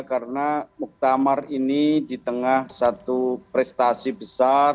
karena muktamar ini di tengah satu prestasi besar